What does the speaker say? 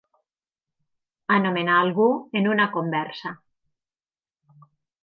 Anomenar algú en una conversa.